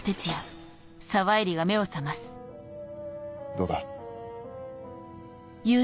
どうだ？